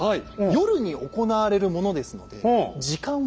夜に行われるものですので時間を進めますね。